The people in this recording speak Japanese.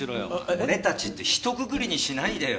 「俺たち」って一括りにしないでよ。